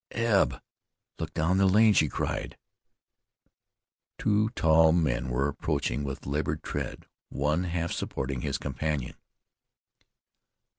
"Eb, look down the lane!" she cried. Two tall men were approaching with labored tread, one half supporting his companion.